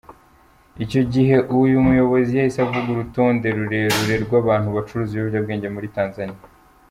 Icyo gihe uyu muyobozi yahise avuga urutonde rurerure rw’abantu bacuruza ibiyobyabwenge muri Tanzania.